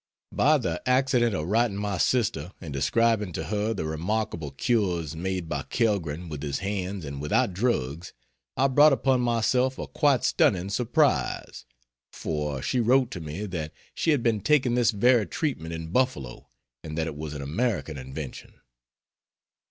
By the accident of writing my sister and describing to her the remarkable cures made by Kellgren with his hands and without drugs, I brought upon myself a quite stunning surprise; for she wrote to me that she had been taking this very treatment in Buffalo and that it was an American invention.